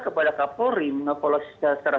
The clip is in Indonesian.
kepada kapolri mengepolosikan secara